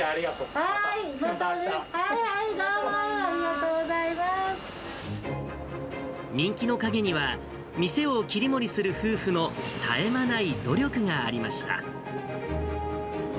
はいはいどーも、ありがとう人気の陰には、店を切り盛りする夫婦の絶え間ない努力がありました。